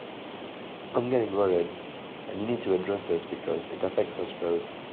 I am getting worried, and you need to address this because it affects us both.